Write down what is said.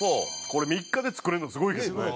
これ３日で作れるのすごいですけどね。